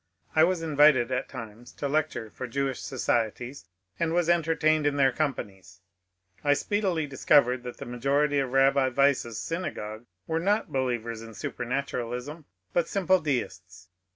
I was invited at times to lecture for Jewish societies, and was entertained in their companies. I speedily discovered that the majority of Kabbi Wise's synagogue were not believers in supernaturalism, but simple deists.